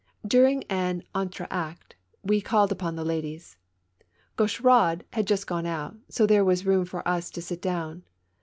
During an entr'acte we called upon the ladies. Gau cheraud had just gone out, so there was room for us to sit down.